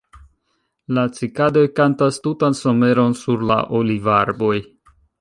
La cikadoj kantas tutan someron sur la olivarboj.